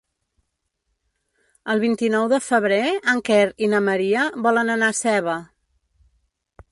El vint-i-nou de febrer en Quer i na Maria volen anar a Seva.